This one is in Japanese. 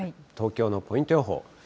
東京のポイント予報。